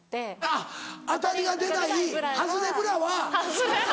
あっアタリが出ないハズレブラは。